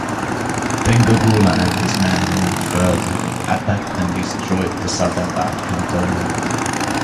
Then Gokula and his men moved further, attacked and destroyed the Sadabad cantonment.